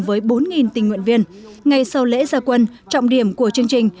với bốn tình nguyện viên ngay sau lễ gia quân trọng điểm của chương trình